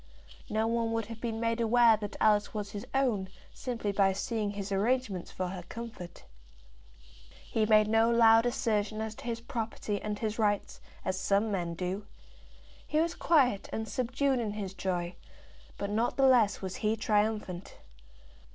No one would have been made aware that Alice was his own simply by seeing his arrangements for her comfort. He made no loud assertion as to his property and his rights, as some men do. He was quiet and subdued in his joy, but not the less was he triumphant.